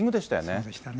そうでしたね。